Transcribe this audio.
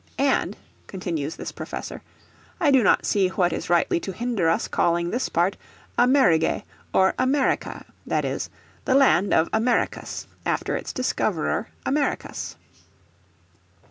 "And," continues this professor, "I do not see what is rightly to hinder us calling this part Amerige or America, that is, the land of Americus after its discoverer Americus."